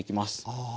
ああ。